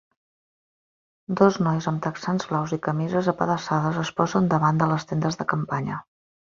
Dos nois amb texans blaus i camises apedaçades es posen davant de les tendes de campanya.